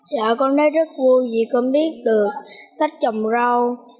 dạ con nói rất vui vì con biết được cách trồng rau